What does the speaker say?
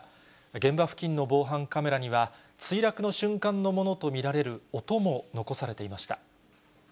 現場付近の防犯カメラには、墜落の瞬間のものと見られる音も残されていました。